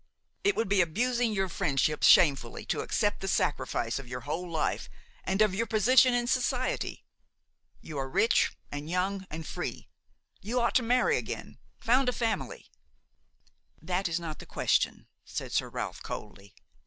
It would be abusing your friendship shamefully to accept the sacrifice of your whole life and of your position in society. You are rich and young and free; you ought to marry again, found a family–" "That is not the question," said Sir Ralph, coldly.